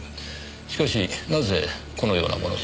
しかしなぜこのようなものを？